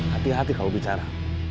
hati hati kalau bicara